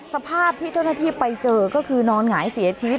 สภาพที่เจ้าหน้าที่ไปเจอก็คือนอนหงายเสียชีวิต